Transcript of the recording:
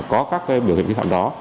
có các biểu hiện kỹ thuật đó